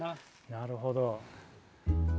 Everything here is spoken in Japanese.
なるほど。